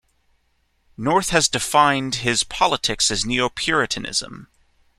North has defined his politics as Neo-Puritanism.